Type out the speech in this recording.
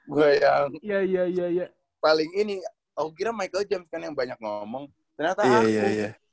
gue yang paling ini aku kira michael james kan yang banyak ngomong ternyata aku